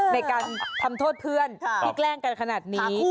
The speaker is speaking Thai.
ในการทำโทษเพื่อนที่แกล้งกันขนาดนี้